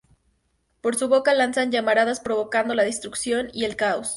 Por su boca lanzan llamaradas provocando la destrucción y el caos.